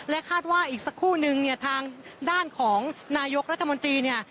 คาดว่าอีกสักครู่นึงเนี่ยทางด้านของนายกรัฐมนตรีเนี่ย